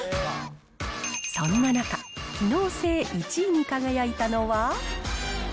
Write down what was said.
そんな中、機能性１位に輝いたのは。